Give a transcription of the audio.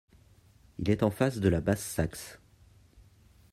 Il est en face de la Basse-Saxe.